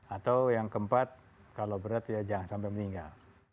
atau yang keempat kalau berat ya jangan sampai meninggal